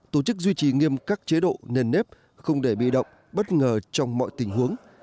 tổ chức duy trì nghiêm các chế độ nền nếp không để bị động bất ngờ trong mọi tình huống